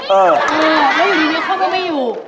แล้วอยู่ดีเขาก็ไม่อยู่